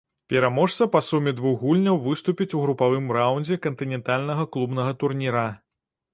Пераможца па суме двух гульняў выступіць у групавым раўндзе кантынентальнага клубнага турніра.